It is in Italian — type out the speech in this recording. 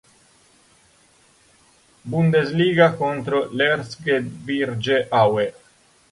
Bundesliga contro l'Erzgebirge Aue.